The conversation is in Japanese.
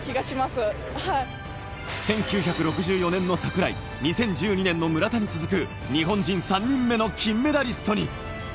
１９６４年の桜井、２０１２年の村田に続く日本人３人目の金メダリストに。